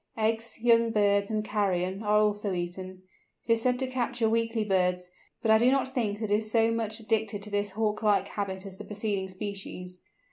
Eggs, young birds, and carrion, are also eaten. It is said to capture weakly birds, but I do not think it is so much addicted to this Hawk like habit as the preceding species.